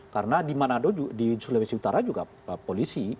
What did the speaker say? karena di manado juga di sulawesi utara juga polisi